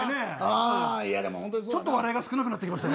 ちょっと笑いが少なくなってきましたね。